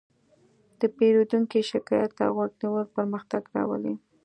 د پیرودونکي شکایت ته غوږ نیول پرمختګ راولي.